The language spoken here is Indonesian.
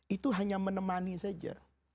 itu hanya menemani saja